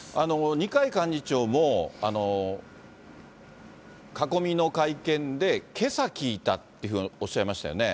二階幹事長も、囲みの会見で、けさ聞いたっていうふうにおっしゃいましたよね。